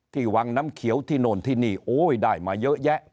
วังน้ำเขียวที่โน่นที่นี่โอ้ยได้มาเยอะแยะ